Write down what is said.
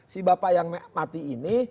si bapak yang mati ini